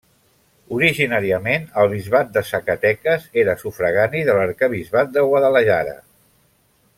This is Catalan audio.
Originàriament el bisbat de Zacatecas era sufragani de l'arquebisbat de Guadalajara.